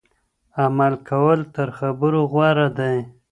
عمل کول تر خبرو غوره دي.